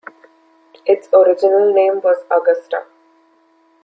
Its original name was Augusta.